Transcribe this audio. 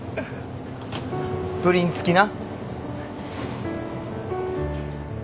プリン付きな。